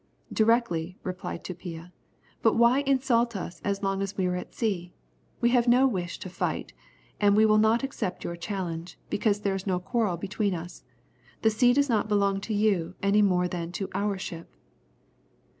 "Directly," replied Tupia, "but why insult us as long as we are at sea? We have no wish to fight, and we will not accept your challenge, because there is no quarrel between us. The sea does not belong to you any more than to our ship."